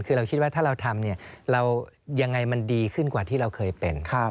คือเราคิดว่าถ้าเราทำยังไงมันดีขึ้นกว่าที่เราเคยเป็น